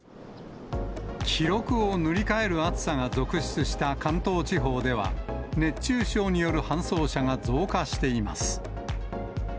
記録を塗り替える暑さが続出した関東地方では、熱中症による搬送者が増加しています。